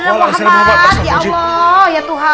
ya allah ya tuhan